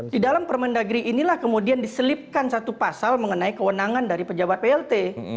di dalam permendagri inilah kemudian diselipkan satu pasal mengenai kewenangan dari pejabat plt